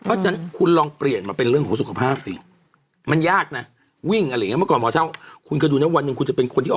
เพราะฉะนั้นคุณลองเปลี่ยนมาเป็นเรื่องว่าสุขภาพสิ